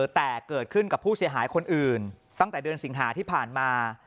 แต่เกิดขึ้นกับผู้เสียหายคนอื่นตั้งแต่เดือนสิงหาที่ผ่านมา